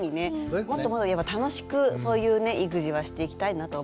もっともっと楽しくそういうね育児はしていきたいなと思います。